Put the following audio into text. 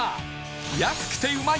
安くてうまい！